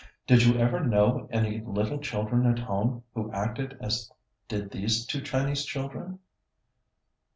Did you ever know any little children at home who acted as did these two Chinese children?